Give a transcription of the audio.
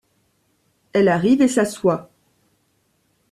Elle arrive et s’assoit.